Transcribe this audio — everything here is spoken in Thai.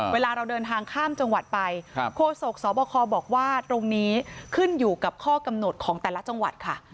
เวลาเราเดินทางข้ามจังหวัดไปโคศกสบคบอกว่าตรงนี้ขึ้นอยู่กับข้อกำหนดของแต่ละจังหวัดค่ะ